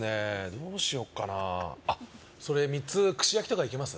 どうしよっかなあっそれ３つ串焼きとかいけます？